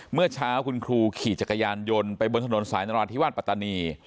เมื่อเช้าคุณครูขี่จักรยานยนต์ไปบนถนนสายนราธิวาสปัตตานี